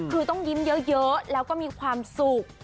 คือต้องยิ้มเยอะแล้วก็มีความสุข